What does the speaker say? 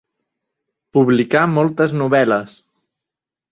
Publicà moltes novel·les.